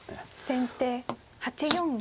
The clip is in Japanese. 先手８四銀。